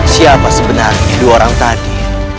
siapa sebenarnya dua orang tadi